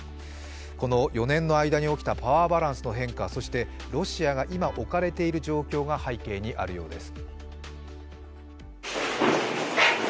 この４年の間に起きたパワーバランスの変化、そしてロシアが今、置かれている状況が背景にあるようです。